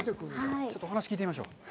ちょっとお話を聞いてみましょう。